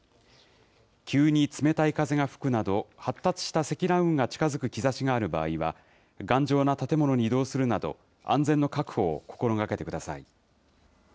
急に冷たい風が吹くなど、発達した積乱雲が近づく兆しがある場合は、頑丈な建物に移動するなど、安全の確保を心がけてください。